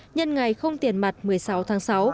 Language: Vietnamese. nhân ngày không tiền mặt một mươi sáu tháng sáu